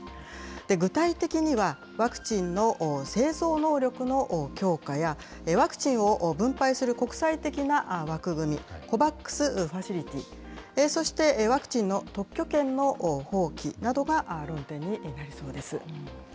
具体的には、ワクチンの製造能力の強化や、ワクチンを分配する国際的な枠組み、ＣＯＶＡＸファシリティ、そしてワクチンの特許権の放棄などが論点に挙がりそうです。